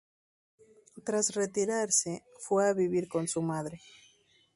Tras retirarse, fue a vivir con su madre.